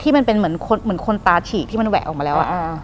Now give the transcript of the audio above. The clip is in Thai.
มันเป็นเหมือนคนตาฉีกที่มันแหวะออกมาแล้ว